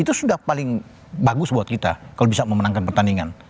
itu sudah paling bagus buat kita kalau bisa memenangkan pertandingan